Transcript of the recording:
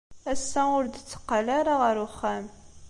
Ass-a, ur d-tetteqqal ara ɣer uxxam.